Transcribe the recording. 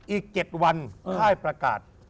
อีก๗วันค่ายประกาศ